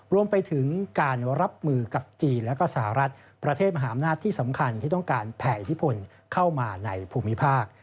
รวมไปถึงการรับมือกับจีนและก็สหรัฐประเทศมหาอำนาจที่สำคัญที่ต้องการแผ่อิทธิพลเข้ามาในภูมิภาค